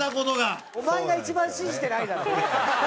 お前が一番信じてないだろ。